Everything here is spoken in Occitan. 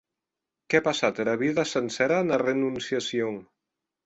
Qu’è passat era vida sancera ena renonciacion!